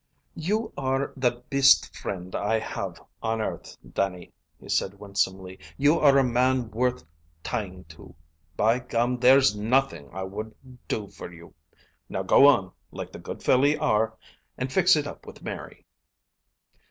"You are the bist frind I have on earth, Dannie," he said winsomely. "You are a man worth tying to. By gum, there's NOTHING I wouldn't do for you! Now go on, like the good fellow you are, and fix it up with Mary."